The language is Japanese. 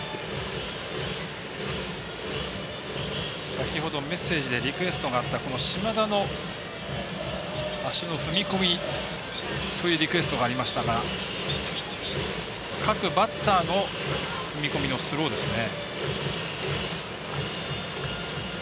先ほどメッセージでリクエストがあった島田の足の踏み込みというリクエストがありましたが各バッターの踏み込みのスローですね。